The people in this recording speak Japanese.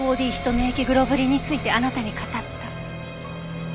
免疫グロブリンについてあなたに語った。